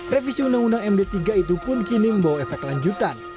revisi undang undang md tiga itu pun kini membawa efek lanjutan